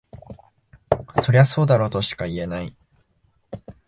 そりゃそうだろとしか言えない